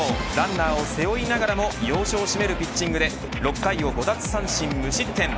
ランナーを背負いながらも要所を締めるピッチングで６回を５奪三振無失点。